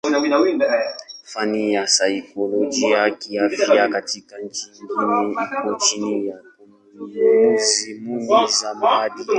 Fani ya saikolojia kiafya katika nchi nyingi iko chini ya kanuni za maadili.